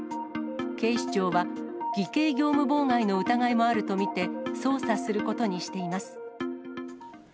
警視庁は、偽計業務妨害の疑いもあると見て、捜査することにしています。